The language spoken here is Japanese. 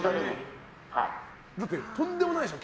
だって、とんでもないでしょ？